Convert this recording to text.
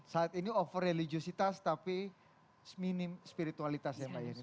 saat ini over religiositas tapi minim spiritualitas ya mbak yeni